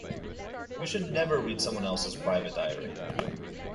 You should never read someone else's private diary.